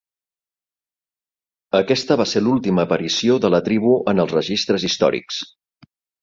Aquesta va ser l'última aparició de la tribu en els registres històrics.